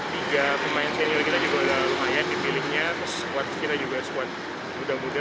tiga pemain senior kita juga lumayan dipilihnya terus kuat kita juga squad muda muda